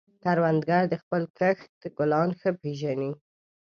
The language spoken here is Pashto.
کروندګر د خپلې کښت ګلان ښه پېژني